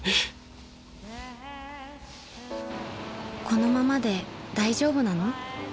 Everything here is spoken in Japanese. ［このままで大丈夫なの？］